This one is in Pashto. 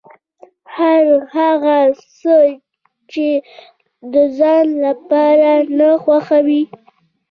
هر هغه څه چې د ځان لپاره نه خوښوې.